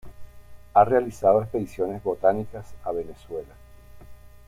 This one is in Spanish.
Ha realizado expediciones botánicas a Venezuela.